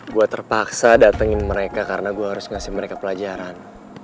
gue terpaksa datengin mereka karena gue harus ngasih mereka pelajaran